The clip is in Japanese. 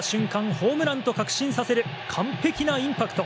ホームランと確信させる完璧なインパクト。